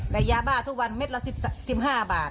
และยาบ้าทุกวันเม็ดละ๑๕บาท